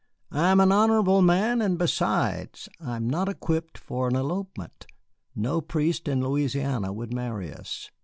I am an honorable man, and, besides, I am not equipped for an elopement. No priest in Louisiana would marry us.